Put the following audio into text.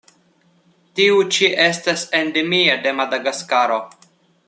Tiu ĉi estas endemia de Madagaskaro.